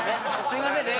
すいませんね